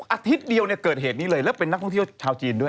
อาทิตย์เดียวเนี่ยเกิดเหตุนี้เลยแล้วเป็นนักท่องเที่ยวชาวจีนด้วย